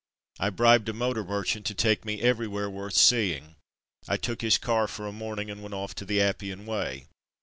I bribed a motor merchant to take me everywhere worth seeing; I took his car for a morning and went off to the Appian Way.